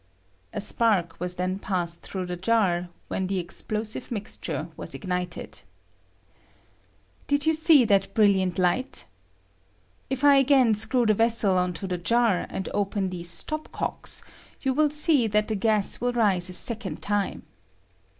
[A spark was then passed through the jar, when the explosive mixture was ignited.] Did you see that bril hant light ? If I again screw tho vessel on to the jar, and open these stop cocks, you will see that the gas will rise a second time.